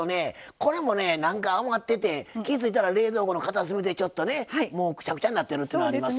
これもね何か余ってて気ぃ付いたら冷蔵庫の片隅でちょっとねくちゃくちゃになってるっていうのありますよね。